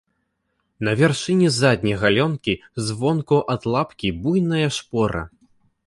На вяршыні задняй галёнкі звонку ад лапкі буйная шпора.